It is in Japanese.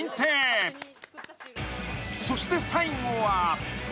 ［そして最後は］